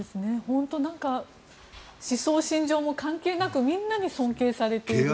本当、思想・信条も関係なくみんなに尊敬されている。